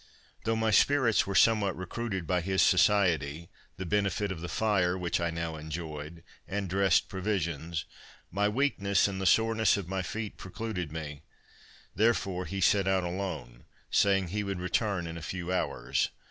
Though my spirits were somewhat recruited by his society, the benefit of the fire, which I now enjoyed, and dressed provisions, my weakness and the soreness of my feet, precluded me; therefore he set out alone, saying he would return in a few hours.